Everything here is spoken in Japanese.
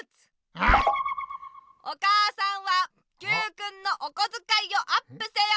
うん⁉お母さんはＱくんのおこづかいをアップせよ！